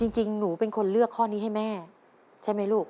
จริงหนูเป็นคนเลือกข้อนี้ให้แม่ใช่ไหมลูก